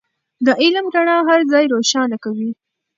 د علم رڼا هر ځای روښانه کوي.